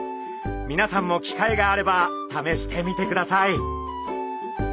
みなさんも機会があればためしてみてください。